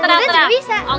tenang tenang tenang